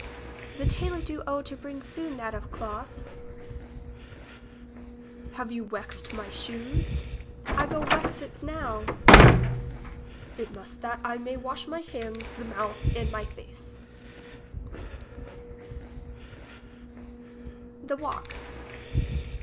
The tailor do owe to bring soon that of cloth. 26 English as she is spoke. Have you wexed my shoes ? I go wex its now. It must that I may wash my hands, the mouth and my face. ^he walk.